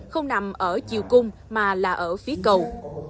không nằm ở chiều cung mà là ở phía cầu